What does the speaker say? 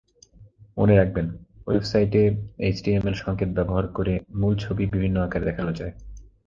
মনে রাখবেন, ওয়েবসাইটে এইচটিএমএল সংকেত ব্যবহার করে মূল ছবি বিভিন্ন আকারে দেখানো যায়।